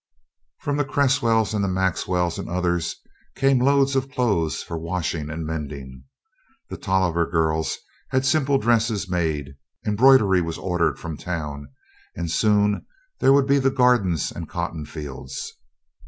From the Cresswells and the Maxwells and others came loads of clothes for washing and mending. The Tolliver girls had simple dresses made, embroidery was ordered from town, and soon there would be the gardens and cotton fields.